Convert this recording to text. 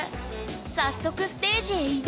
早速ステージへ移動。